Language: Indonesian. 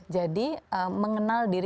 jadi mengenal diri sendiri